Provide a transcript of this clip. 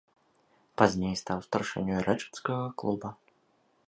Пазней стаў старшынёй рэчыцкага клуба.